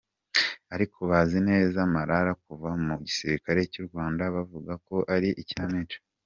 Ariko abazi neza Marara kuva mu gisilikare cy’u Rwanda bavuga ko ari Ikinamico.